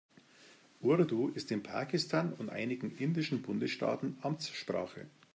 Urdu ist in Pakistan und einigen indischen Bundesstaaten Amtssprache.